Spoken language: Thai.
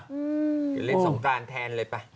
จะเล่นสงการแทนเลยป่ะ